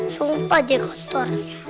sumpah deh kotor